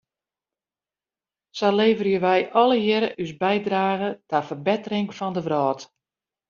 Sa leverje wij allegearre ús bydrage ta ferbettering fan de wrâld.